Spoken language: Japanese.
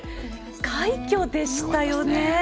快挙でしたよね。